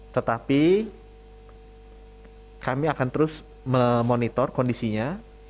tetapi kami akan terus memonitor kondisinya